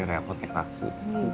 taksi anjali repot kayak taksi